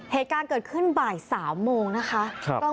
เหตุการณ์เกิดขึ้นบ่าย๓โมงนะคะ